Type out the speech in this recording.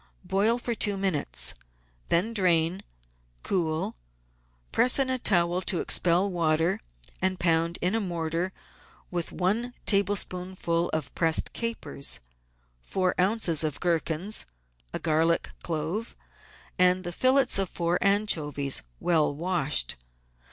Boil for two minutes, then drain, cool, press in a towel to expel water, and pound in a mortar with one tablespoonful of pressed capers, four oz. of gherkins, a garlic clove, and the fillets of four anchovies well washed.